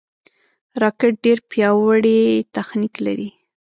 راکټ ډېر پیاوړی تخنیک لري